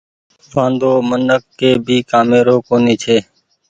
وآندو منک ڪي ڀي ڪآمي رو ڪونيٚ ڇي۔